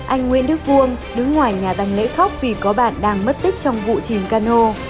anh nguyễn đức vuông đứng ngoài nhà rành lễ khóc vì có bạn đang mất tích trong vụ chìm cano